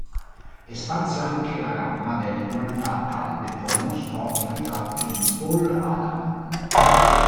Espanse anche la gamma delle tonalità calde come mostrò nel ritratto di Paul Adam.